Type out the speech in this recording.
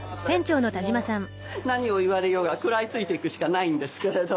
何を言われようが食らいついていくしかないんですけれども。